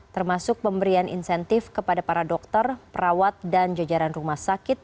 termasuk pemberian insentif kepada para dokter perawat dan jajaran rumah sakit